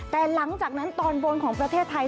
แต่หลังจากนั้นตอนบนของประเทศไทย